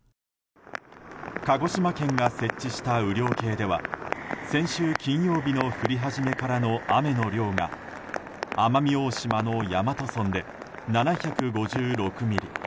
鹿児島県が設置した雨量計では先週金曜日からの降り始めからの雨の量が奄美大島の大和村で７５６ミリ。